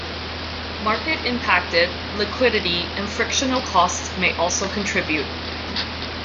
Market-impacted, liquidity, and frictional costs may also contribute.